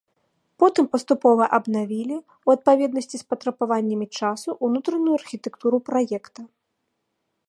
Потым паступова абнавілі, у адпаведнасці з патрабаваннямі часу, унутраную архітэктуру праекта.